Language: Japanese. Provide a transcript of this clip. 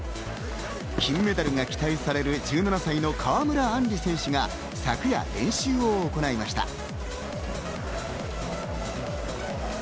金メダルが期待される１７歳の川村あんり選手が昨夜、練習を行いました。